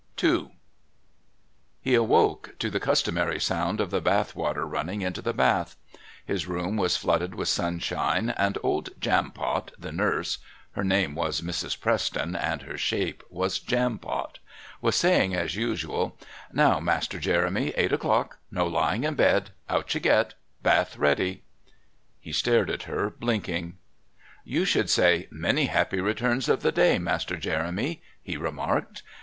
II He awoke to the customary sound of the bath water running into the bath. His room was flooded with sunshine, and old Jampot, the nurse (her name was Mrs. Preston and her shape was Jampot), was saying as usual: "Now, Master Jeremy, eight o'clock; no lying in bed out you get bath ready." He stared at her, blinking. "You should say 'Many Happy Returns of the Day, Master Jeremy,'" he remarked.